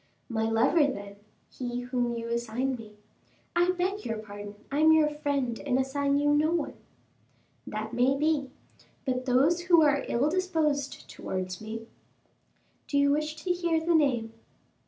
"My lover, then, he whom you assign me " "I beg your pardon; I am your friend, and assign you no one." "That may be; but those who are ill disposed towards me." "Do you wish to hear the name?"